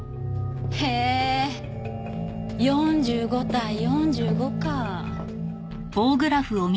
へえ４５対４５か。